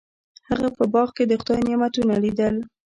هغه په باغ کې د خدای نعمتونه لیدل.